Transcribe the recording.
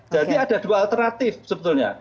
jadi ada dua alternatif sebetulnya